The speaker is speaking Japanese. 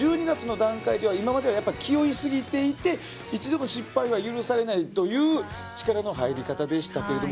１２月の段階では今までは気負いすぎていて一度も失敗が許されないという力の入れ方でしたが